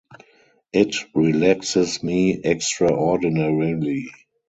It relaxes me extraordinarily.